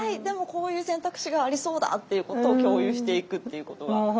でもこういう選択肢がありそうだ」っていうことを共有していくっていうことは。